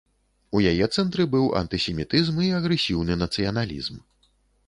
У яе цэнтры быў антысемітызм і агрэсіўны нацыяналізм.